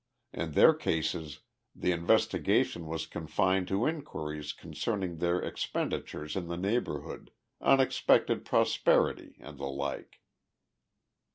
In their cases the investigation was confined to inquiries concerning their expenditures in the neighborhood, unexpected prosperity, and the like."